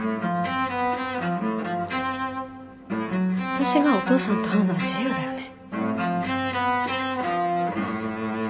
私がお父さんと会うのは自由だよね。